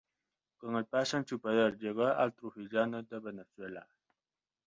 Con el pase en su poder llegó al Trujillanos de Venezuela.